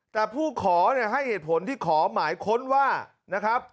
แต่ผู้ขอให้เหตุผลที่ขอหมายค้นว่านะครับ